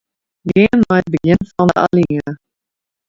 Gean nei it begjin fan alinea.